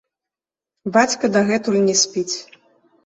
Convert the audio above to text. Бацька дагэтуль не спіць.